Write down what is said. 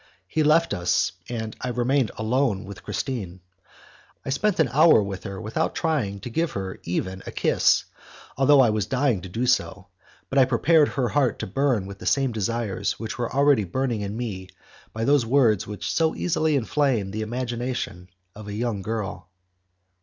He left us, and I remained alone with Christine. I spent an hour with her without trying to give her even a kiss, although I was dying to do so, but I prepared her heart to burn with the same desires which were already burning in me by those words which so easily inflame the imagination of a young girl.